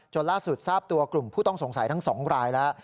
ล่าสุดทราบตัวกลุ่มผู้ต้องสงสัยทั้ง๒รายแล้ว